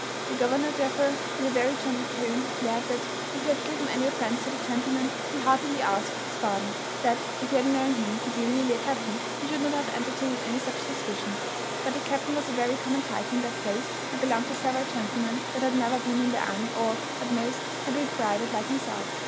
The governor, therefore, in a very gentle tone, declared that, if he had given any offence to the gentleman, he heartily asked his pardon; that, if he had known him to be really a captain, he should not have entertained any such suspicions; but the captain was a very common title in that place, and belonged to several gentlemen that had never been in the army, or, at most, had rid private like himself.